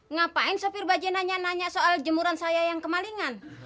ngapain sopir baje nanya nanya soal jemuran saya yang kemalingan